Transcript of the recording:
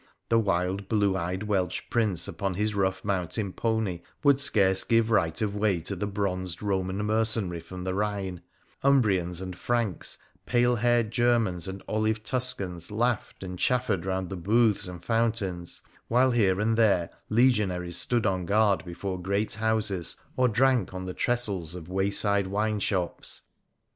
The wild blue eyed Welsh Prince upon his rough mountain pony would scarce give right of way to the bronzed Roman mer cenary from the Rhine : Umbrians and Franks, pale haired Germans, and olive Tuscans laughed and chaffered round the booths and fountains, while here and there legionaries stood on guard before great houses, or drank on the tressels oi w;ty D 34 WONDERFUL ADVENTURES OF side wine shops.